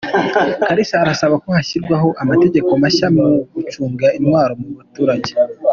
Kalisa arasaba ko hashyirwaho amategeko mashya mu gucunga intwaro mu baturage